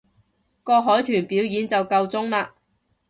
個海豚表演就夠鐘喇